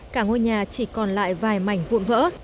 cả ngôi nhà chỉ còn lại vài mảnh vụn vỡ